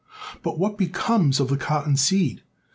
But what becomes of the cotton seed?